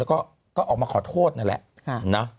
แล้วก็ออกมาขอโทษนั่นแหละ